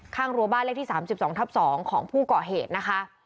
ข้างรัวบ้านเลขที่๓๒๒ของผู้เกาะเหตุนะคะ